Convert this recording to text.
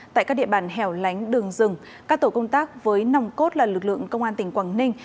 tại các địa bàn hẻo lánh đường rừng các tổ công tác với nòng cốt là lực lượng công an tỉnh quảng ninh